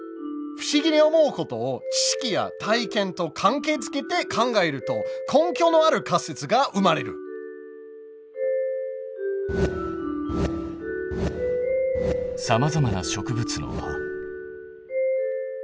不思議に思うことを知識や体験と関係づけて考えると根拠のある仮説が生まれるさまざまな植物の葉。